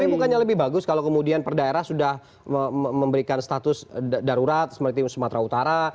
tapi bukannya lebih bagus kalau kemudian per daerah sudah memberikan status darurat seperti sumatera utara